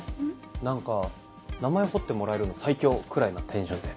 何か名前彫ってもらえるの最強！くらいなテンションで。